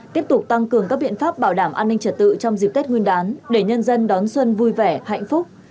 tiếp tục tăng cường các biện pháp bảo đảm an ninh trật tự trong dịp tết nguyên đán để nhân dân đón xuân vui vẻ hạnh phúc